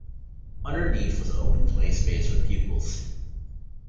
Underneath was open play space for pupils.